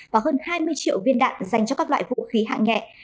và hơn hai mươi triệu viên đạn dành cho các loại vũ khí hạng nhẹ